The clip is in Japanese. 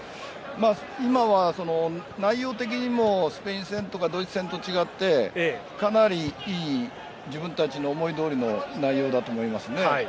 今は内容的にもスペイン戦とかドイツ戦と違ってかなりいい自分たちの思い通りの内容だと思います。